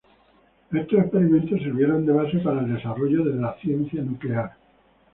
Estos experimentos sirvieron de base para el desarrollo de la ciencia nuclear.